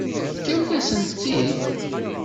Tefkamt-asent-tt-id.